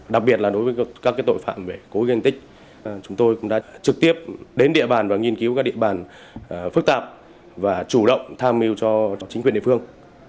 đặc biệt là đối với các tội phạm về cố gây tích tích chúng tôi cũng đã trực tiếp đến địa bàn và nghiên cứu các địa bàn phức tạp và chủ động tham mưu cho chính quyền địa phương